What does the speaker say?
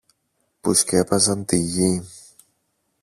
που σκέπαζαν τη γη.